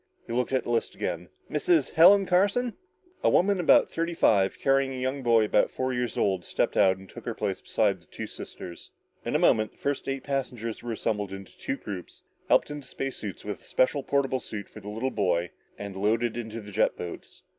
He looked at the list again. "Mrs. Helen Carson?" A woman about thirty five, carrying a young boy about four years old, stepped out and took her place beside the two sisters. In a moment, the first eight passengers were assembled into two groups, helped into space suits, with a special portable suit for the little boy, and loaded in the jet boats.